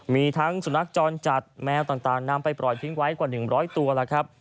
มีทั้งสุนัขจรจัดแมวต่างนำไปปล่อยทิ้งไว้กว่า๑๐๐ตัวแล้วครับ